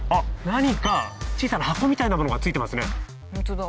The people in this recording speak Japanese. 何か小さな箱みたいなものが付いてますね。